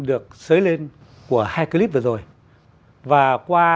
được xới lên của hai clip vừa rồi và qua